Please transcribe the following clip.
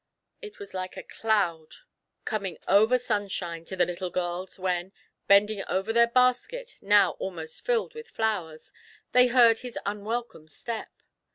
It was like a cloud coining 132 THE PLEASURE EXCURSION. over sunshine to the little girls when, bending over their basket now almost filled with flowers, they heard his unwelcome step.